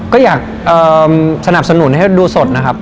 ก็อยากสนับสนุนให้ดูสดนะครับ